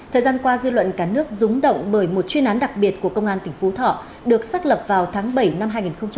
thời gian qua dư luận cả nước rúng động bởi một chuyên án đặc biệt của công an tỉnh phú thọ được xác lập vào tháng bảy năm hai nghìn hai mươi ba